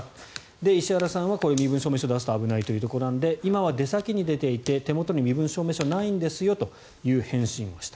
石原さんは、身分証明書を出すと危ないということなので今は出先に出ていて手元に身分証明書がないんですよという返信をした。